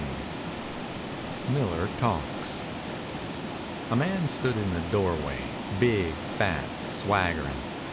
CHAPTER XXV MILLER TALKS A man stood in the doorway, big, fat, swaggering.